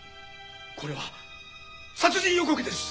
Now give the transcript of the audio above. これは殺人予告です！